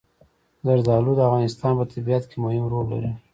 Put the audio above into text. زردالو د افغانستان په طبیعت کې مهم رول لري.